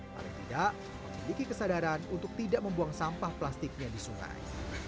paling tidak memiliki kesadaran untuk tidak membuang sampah plastiknya di sungai